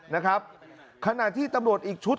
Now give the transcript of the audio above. นะครับขณะที่ตำรวจอีกชุด